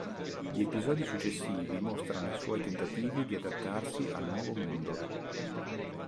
Gli episodi successivi mostrano i suoi tentativi di adattarsi al nuovo mondo.